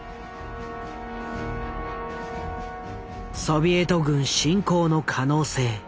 ソビエト軍侵攻の可能性。